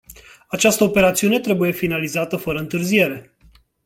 Această operațiune trebuie finalizată fără întârziere.